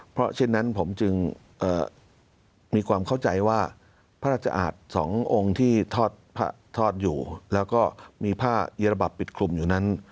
เพราะฉะนั้นผมจึงมีความเข้าใจว่าพระราชอาจสององค์ที่ทอดอยู่แล้วก็มีผ้าอีระบับปิดคลุมอยู่นั้น